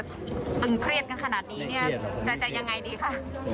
ตึงเตรียดให้ขนาดนี้จะยังไงดีคะ